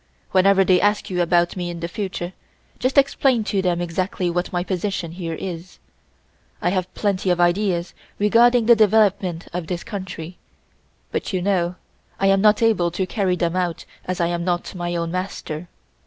Whenever they ask you about me in the future just explain to them exactly what my position here is. I have plenty of ideas regarding the development of this country but you know I am not able to carry them out as I am not my own master.